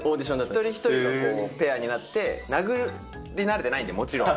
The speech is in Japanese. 一人一人がこう、ペアになって、殴り慣れてないんで、もちろん。